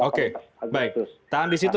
oke baik tahan di situ